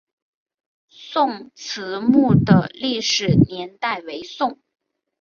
宋慈墓的历史年代为宋。